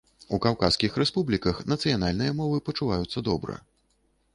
У каўказскіх рэспубліках нацыянальныя мовы пачуваюцца добра.